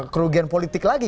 kerugian politik lagi